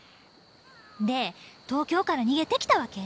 で東京から逃げてきたわけ？